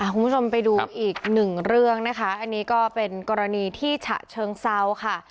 คุณผู้ชมไปดูอีกหนึ่งเรื่องนะคะอันนี้ก็เป็นกรณีที่ฉะเชิงเซาค่ะ